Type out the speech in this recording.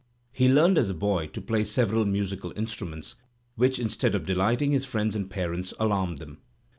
He learned as a boy to play several musical instru ments, which instead of delighting his friends and parents, alarmed them!